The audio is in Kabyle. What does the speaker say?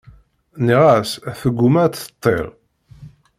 Nniɣ-as tguma ad d-teṭṭil.